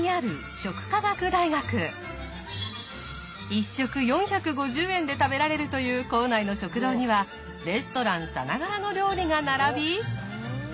１食４５０円で食べられるという校内の食堂にはレストランさながらの料理が並び。